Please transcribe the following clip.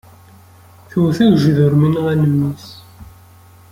Tewwet agejdur mi nɣan mmi-s.